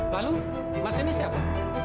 lalu mas ini siapa